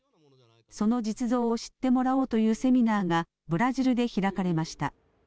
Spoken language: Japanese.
その実像を知ってもらおうというセミナーがブラジルで開かれました。